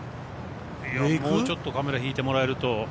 もうちょっとカメラ引いてもらえると。